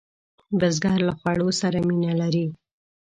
بزګر له خوړو سره مینه لري